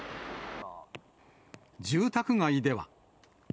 住宅街では。